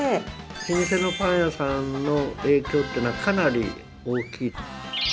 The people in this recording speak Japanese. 老舗のパン屋さんの影響っていうのはかなり大きい。